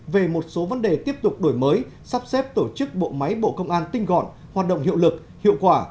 về một số vấn đề tiếp tục đổi mới sắp xếp tổ chức bộ máy bộ công an tinh gọn hoạt động hiệu lực hiệu quả